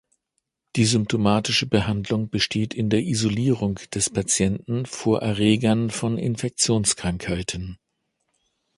Die symptomatische Behandlung besteht in der Isolierung des Patienten vor Erregern von Infektionskrankheiten.